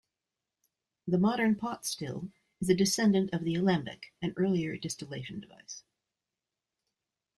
The modern pot still is a descendant of the alembic, an earlier distillation device.